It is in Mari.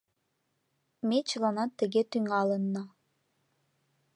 — Ме чыланат тыге тӱҥалынна.